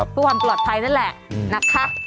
เพื่อความปลอดภัยนั่นแหละนะคะ